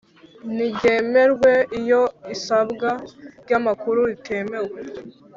ntiryemerwe Iyo isabwa ry amakuru ritemewe